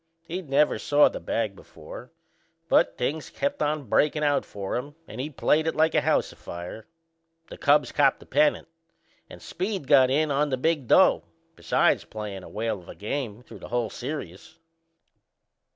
He'd never saw the bag before; but things kept on breakin' for him and he played it like a house afire. The Cubs copped the pennant and Speed got in on the big dough, besides playin' a whale of a game through the whole serious.